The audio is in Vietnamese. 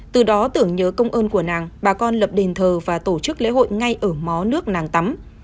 từ đó tưởng nhớ công ơn của nàng bà con lập đền thờ và tổ chức lễ hội ngay ở mó nước nàng tắm